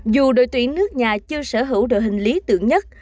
dù đội tuyển nước nhà chưa sở hữu đội hình lý tưởng nhất